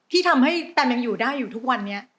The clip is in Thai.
ที่ทำให้แตมยังอยู่ได้อยู่ทุกวันนี้